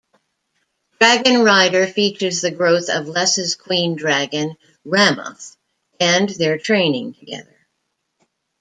"Dragonrider" features the growth of Lessa's queen dragon, Ramoth, and their training together.